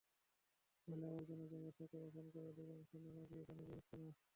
ময়লা-আবর্জনা জমে থাকায় এখানকার অধিকাংশ নালা দিয়ে পানি বের হচ্ছে না।